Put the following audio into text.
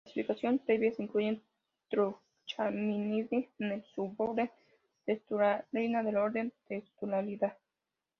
Clasificaciones previas incluían Trochamminidae en el suborden Textulariina del orden Textulariida.